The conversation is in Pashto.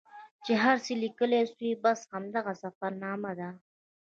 چې هر څه لیکل سوي بس همدغه سفرنامه ده.